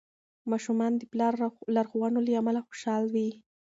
ماشومان د پلار لارښوونو له امله خوشحال وي.